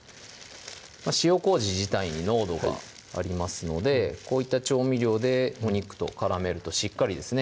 塩麹自体に濃度がありますのでこういった調味料でお肉と絡めるとしっかりですね